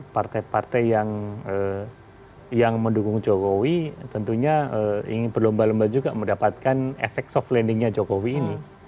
partai partai yang mendukung jokowi tentunya ingin berlomba lomba juga mendapatkan efek soft landingnya jokowi ini